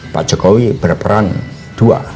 pak jokowi berperan dua